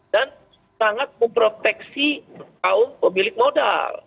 sangat memproteksi kaum pemilik modal